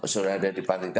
sudah ada di pandemi